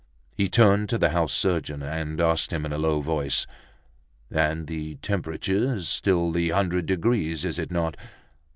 He turned to the house surgeon, and asked him in a low voice: "And the temperature, still the hundred degrees, is it not?"